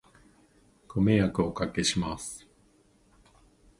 ご迷惑をお掛けします